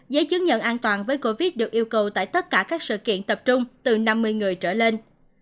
giấy chứng nhận an toàn với covid được yêu cầu tại tất cả các sự kiện tập trung từ năm mươi người trở lên